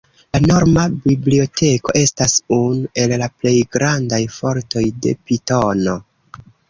La norma biblioteko estas unu el la plej grandaj fortoj de Pitono.